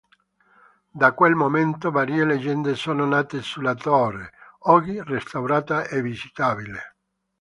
Da quel momento varie leggende sono nate sulla Torre, oggi restaurata e visitabile.